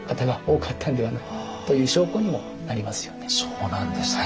そうなんですね。